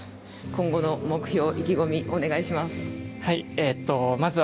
今後の目標、意気込みお願いします。